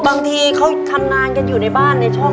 บางทีเขาทำงานกันอยู่ในบ้านในช่อง